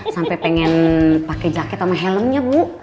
sampai pengen pakai jaket sama helmnya bu